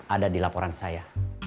ada di laporan saya